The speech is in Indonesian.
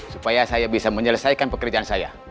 supaya saya bisa menyelesaikan pekerjaan saya